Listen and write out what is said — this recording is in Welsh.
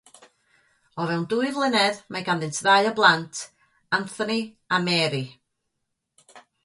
O fewn dwy flynedd, mae ganddynt ddau o blant, Anthony a Mary.